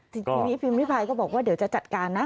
ทีนี้พิมพิพายก็บอกว่าเดี๋ยวจะจัดการนะ